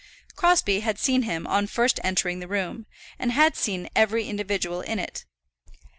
Crosbie had seen him on first entering the room, and had seen every individual in it.